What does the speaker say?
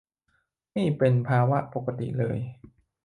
นี่เป็นภาวะปกติเลย